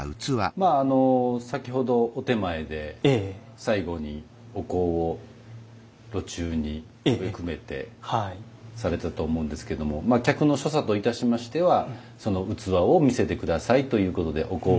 まああの先ほどお点前で最後にお香を炉中に埋めくべてされたと思うんですけども客の所作といたしましてはその器を見せて下さいということでお香合の拝見をということになります。